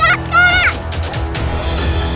mana sih bulan